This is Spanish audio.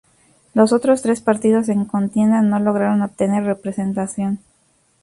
Los otros tres partidos en contienda no lograron obtener representación.